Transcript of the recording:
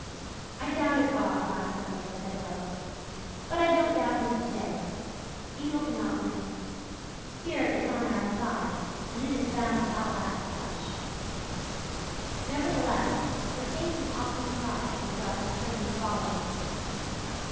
"I doubted God last Sunday," said Rilla, "but I don't doubt him today. Evil cannot win. Spirit is on our side and it is bound to outlast flesh." Nevertheless her faith was often tried in the dark spring that followed.